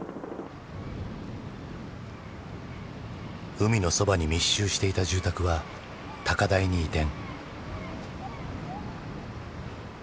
海のそばに密集していた住宅は高台に移転。